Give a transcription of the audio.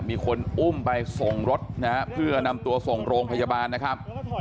มีคนอุ้มไปส่งรถนะฮะเพื่อนำตัวส่งโรงพยาบาลนะครับ